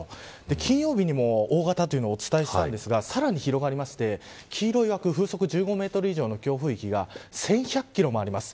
金曜日にも大型というのをお伝えしたんですがさらに広がって黄色い枠風速１５メートル以上の強風域が１１００キロもあります。